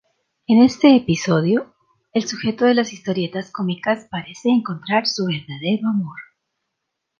En este episodio, el sujeto de las historietas cómicas parece encontrar su verdadero amor.